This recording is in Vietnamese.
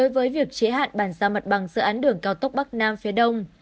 với việc chế hạn bàn giao mặt bằng dự án đường cao tốc bắc nam phía đông